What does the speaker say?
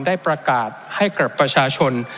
ได้ประกาศให้กับประชาชน